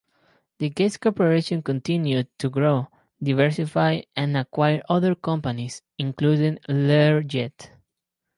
The Gates Corporation continued to grow, diversify, and acquire other companies, including Learjet.